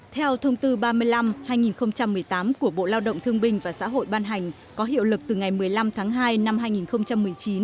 theo thông tư ba mươi năm hai nghìn một mươi tám của bộ lao động thương binh và xã hội ban hành có hiệu lực từ ngày một mươi năm tháng hai năm hai nghìn một mươi chín